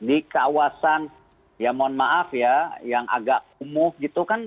di kawasan ya mohon maaf ya yang agak kumuh gitu kan